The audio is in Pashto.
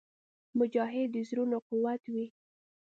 مجاهد د زړونو قوت وي.